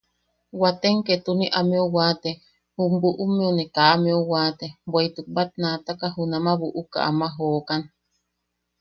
Waatem ketuni ameu waate jum buʼummeu ne kaa ameu waate, bweʼituk batnaataka junama buʼuka ama jookan.